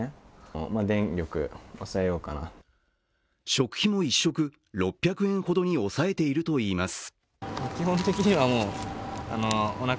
食費も１食６００円ほどに抑えているといいます。